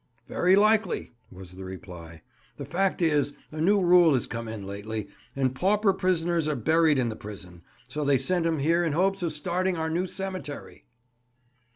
"Very likely," was the reply. "The fact is, a new rule has come in lately, and pauper prisoners are buried in the prison; so they sent him here in hopes of starting our new cemetery."